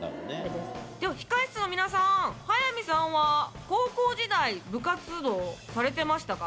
では控室の皆さん速水さんは高校時代部活動されてましたか？